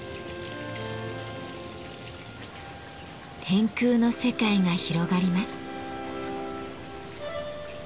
天空の世界が広がります。